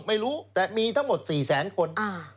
ไม่รู้แต่มีทั้งหมด๔แสนคน